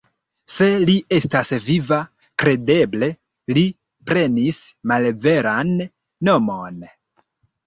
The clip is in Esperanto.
Se li estas viva, kredeble li prenis malveran nomon.